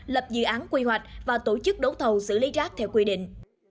lập dự án quy hoạch và tổ chức đấu thầu xử lý rác theo quy định